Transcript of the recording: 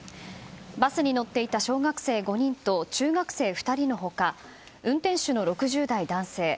バスに乗っていた小学生５人と中学生２人の他運転手の６０代男性